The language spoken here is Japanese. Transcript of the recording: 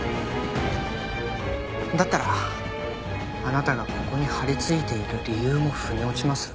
だったらあなたがここに張りついている理由も腑に落ちます。